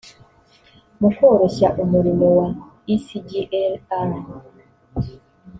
mu koroshya umurimo wa icglr